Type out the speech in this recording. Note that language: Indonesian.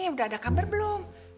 udah ada kabar belum